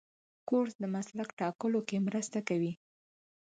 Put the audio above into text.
کورس د مسلک ټاکلو کې مرسته کوي.